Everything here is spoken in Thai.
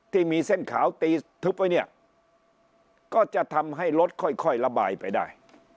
ที่มีเส้นขาวตีทึบไว้เนี่ยก็จะทำให้รถค่อยระบายไปได้